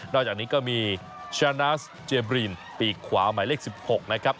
อกจากนี้ก็มีชนะเจบรีนปีกขวาหมายเลข๑๖นะครับ